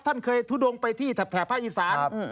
ท่านเคยทุดงไปที่แถบภาคอีสาน